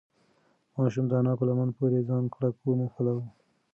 ماشوم د انا په لمن پورې ځان کلک ونښلاوه.